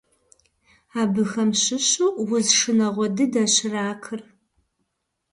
Абыхэм щыщу уз шынагъуэ дыдэщ ракыр.